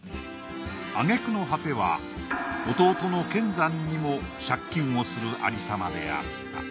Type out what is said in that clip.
あげくの果ては弟の乾山にも借金をするありさまであった。